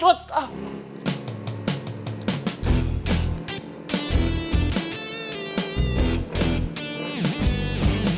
gak moral ga sumpahin